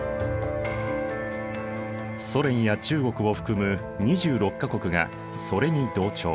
ソ連や中国を含む２６か国がそれに同調。